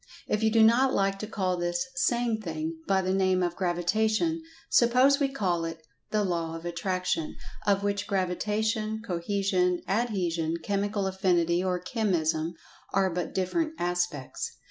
If you do not like to call this "same thing" by the name of "Gravitation," suppose we call it "The Law of Attraction," of which Gravitation, Cohesion, Adhesion, Chemical Affinity or Chemism are but different aspects.